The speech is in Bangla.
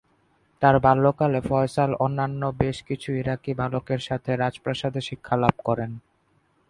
তার বাল্যকালে ফয়সাল অন্যান্য বেশ কিছু ইরাকি বালকের সাথে রাজপ্রাসাদে শিক্ষালাভ করেন।